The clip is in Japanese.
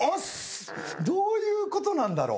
どういうことなんだろう。